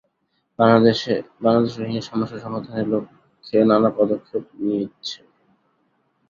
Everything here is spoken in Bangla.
বাংলাদেশ রোহিঙ্গা সমস্যা সমাধানের লক্ষ্যে নানা পদক্ষেপ নিয়েছে।